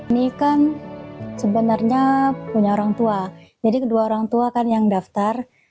ini kan sebenarnya punya orang tua jadi kedua orang tua kan yang daftar